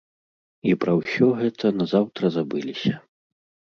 І пра ўсё гэта назаўтра забыліся.